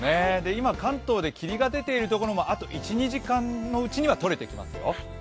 今、関東で霧が出ているところもあと１２時間のうちには取れてきますよ。